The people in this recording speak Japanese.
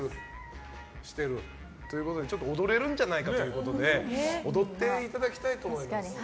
ちょっと踊れるんじゃないかということで踊っていただきたいと思います。